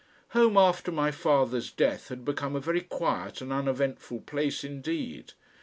Home, after my father's death, had become a very quiet and uneventful place indeed.